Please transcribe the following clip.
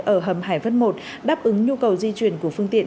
ở hầm hải văn i đáp ứng nhu cầu di chuyển của phương tiện